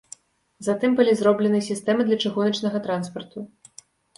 Затым былі зроблены сістэмы для чыгуначнага транспарту.